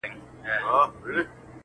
اوس مي نو ومرگ ته انتظار اوسئ,